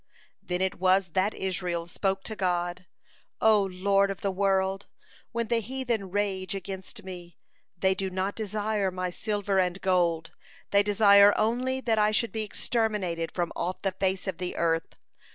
Then it was that Israel spoke to God: "O Lord of the world! When the heathen rage against me, they do not desire my silver and gold, they desire only that I should be exterminated from off the face of the earth.